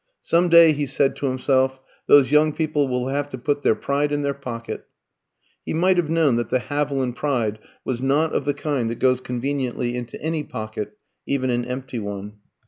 "Some day," he said to himself, "those young people will have to put their pride in their pocket." He might have known that the Haviland pride was not of the kind that goes conveniently into any pocket, even an empty one.